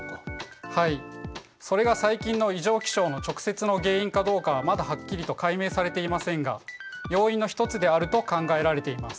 はいそれが最近の異常気象の直接の原因かどうかはまだはっきりと解明されていませんが要因の一つであると考えられています。